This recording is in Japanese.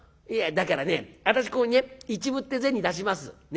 「いやだからね私ここにね１分って銭出します。